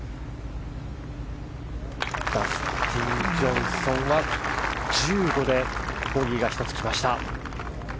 ダスティン・ジョンソンは１５でボギーが１つきました。